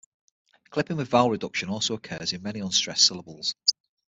Clipping with vowel reduction also occurs in many unstressed syllables.